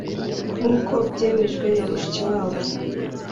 nk’uko byemejwe na Mushikiwabo